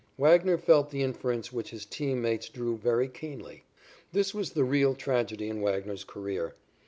Wagner felt the inference which his team mates drew very keenly. This was the real tragedy in Wagner's career.